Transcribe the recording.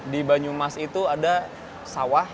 di banyumas itu ada sawah